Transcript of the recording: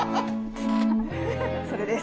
それです。